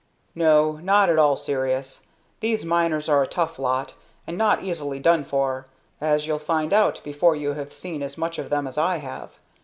"No. Not at all serious. These miners are a tough lot, and not easily done for, as you'll find out before you have seen as much of them as I have.